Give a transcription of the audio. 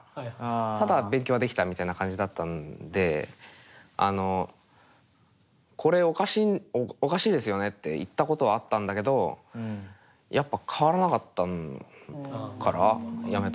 ただ勉強はできたみたいな感じだったんであのこれおかしいですよねって言ったことはあったんだけどやっぱ変わらなかったからやめたのかな。